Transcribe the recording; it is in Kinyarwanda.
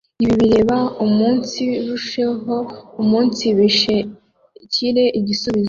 ibi birebe mu umunsirusheho umunsibishekire igisubizo